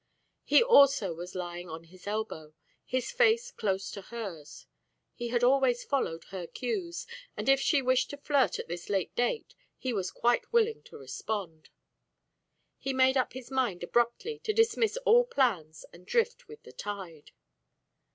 He also was lying on his elbow, his face close to hers. He had always followed her cues, and if she wished to flirt at this late date he was quite willing to respond. He made up his mind abruptly to dismiss all plans and drift with the tide.